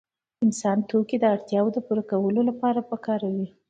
انسان توکي د اړتیاوو پوره کولو لپاره کاروي.